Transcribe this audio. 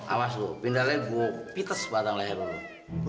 awas lu pindah lagi gua pites batang leher lu